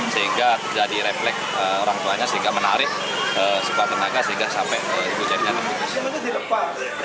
sehingga terjadi refleks orang tuanya sehingga menarik sebuah tenaga sehingga sampai itu jadinya